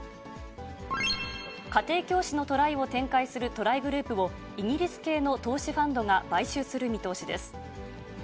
家庭教師のトライを展開するトライグループを、イギリス系の投資ファンドが買収する見通しです。